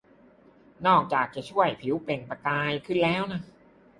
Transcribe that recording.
นอกจากจะช่วยให้ผิวเปล่งประกายขึ้นแล้ว